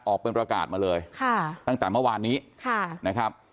ออกเป็นประกาศมาเลยตั้งแต่เมื่อวานนี้นะครับ